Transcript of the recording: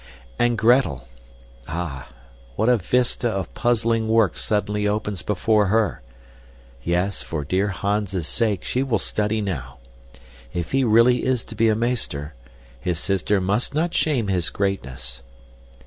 And Gretel ah, what a vista of puzzling work suddenly opens before her! Yes, for dear Hans's sake she will study now. If he really is to be a meester, his sister must not shame his greatness.